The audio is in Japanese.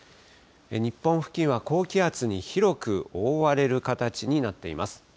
日本付近は高気圧に広く覆われる形になっています。